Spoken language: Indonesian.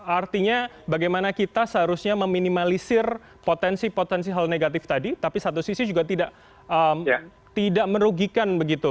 artinya bagaimana kita seharusnya meminimalisir potensi potensi hal negatif tadi tapi satu sisi juga tidak merugikan begitu